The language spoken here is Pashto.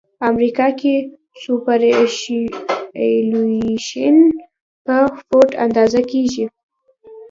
امریکا کې سوپرایلیویشن په فوټ اندازه کیږي